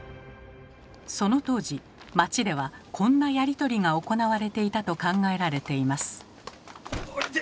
その当時町ではこんなやり取りが行われていたと考えられています。